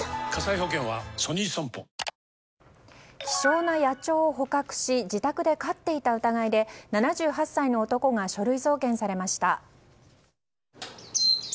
希少な野鳥を捕獲し自宅で飼っていた疑いで７８歳の男が書類送検されました。